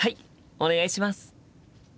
お願いします。